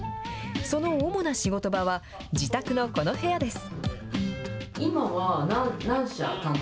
その主な仕事場は、自宅のこの部屋です。